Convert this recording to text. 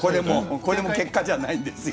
これも結果じゃないんですよ。